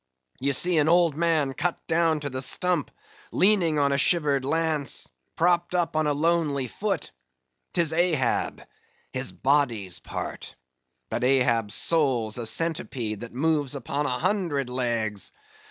Ye see an old man cut down to the stump; leaning on a shivered lance; propped up on a lonely foot. 'Tis Ahab—his body's part; but Ahab's soul's a centipede, that moves upon a hundred legs.